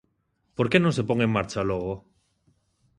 Porque non se pon en marcha logo?